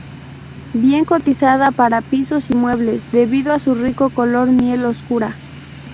Bien cotizada para pisos y muebles debido a su rico color miel oscura.